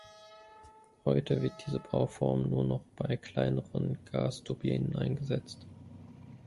Heute wird diese Bauform nur noch bei kleineren Gasturbinen eingesetzt.